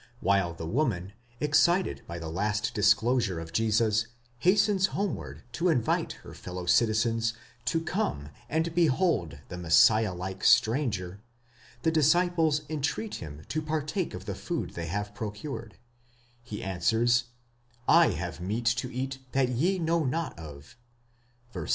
1® While the woman, excited by the last dis closure of Jesus, hastens homeward to invite her fellow citizens to come and behold the Messiah like stranger, the disciples entreat him to partake of the food they have procured; he answers, 7 have meat to eat that ye know not of (ν. 32).